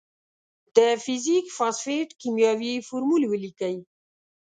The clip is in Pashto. د فیریک فاسفیټ کیمیاوي فورمول ولیکئ.